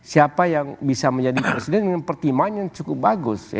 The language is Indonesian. siapa yang bisa menjadi presiden dengan pertimbangan pertimbangan yang cukup bagus